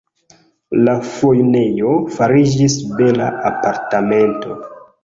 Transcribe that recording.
La fojnejo fariĝis bela apartamento.